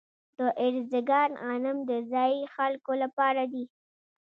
د ارزګان غنم د ځايي خلکو لپاره دي.